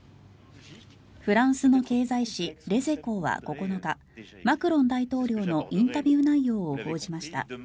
フランスの経済紙レゼコーは９日マクロン大統領のインタビュー内容を報じました。